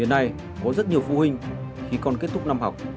đến nay có rất nhiều phụ huynh khi con kết thúc năm học